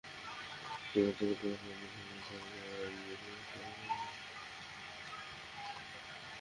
গতকাল দুপুরে সমিতির সাধারণ সম্পাদকসহ আইনজীবীদের একাংশ মেয়রকে দেওয়া সংবর্ধনার প্রতিবাদ সমাবেশ করেন।